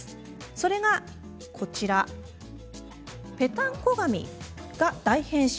それがこちらぺたんこ髪が大変身！